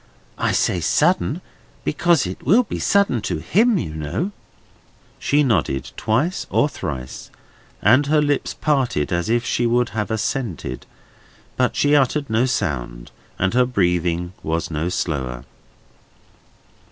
I say sudden, because it will be sudden to him, you know." She nodded twice or thrice, and her lips parted as if she would have assented. But she uttered no sound, and her breathing was no slower.